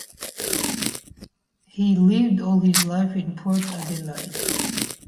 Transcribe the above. He lived all his life in Port Adelaide.